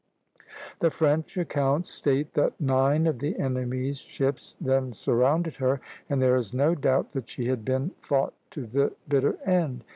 The French accounts state that nine of the enemy's ships then surrounded her, and there is no doubt that she had been fought to the bitter end.